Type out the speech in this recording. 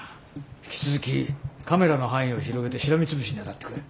引き続きカメラの範囲を広げてしらみつぶしに当たってくれ。